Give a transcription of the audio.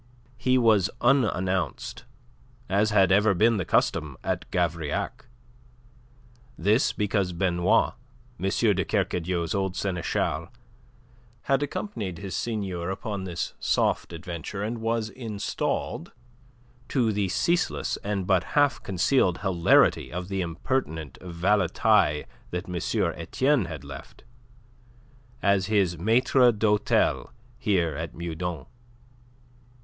He was unannounced, as had ever been the custom at Gavrillac. This because Benoit, M. de Kercadiou's old seneschal, had accompanied his seigneur upon this soft adventure, and was installed to the ceaseless and but half concealed hilarity of the impertinent valetaille that M. Etienne had left as his maitre d'hotel here at Meudon.